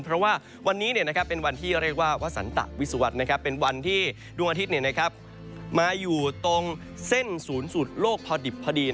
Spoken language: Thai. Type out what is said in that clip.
เพราะว่าวันนี้เป็นวันที่เรียกว่าวสันตะวิสุวรรษเป็นวันที่ดวงอาทิตย์มาอยู่ตรงเส้นศูนย์สูตรโลกพอดิบพอดี